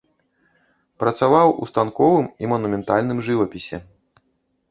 Працаваў у станковым і манументальным жывапісе.